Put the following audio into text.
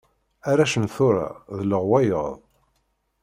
Arrac n tura d leɣwayeḍ.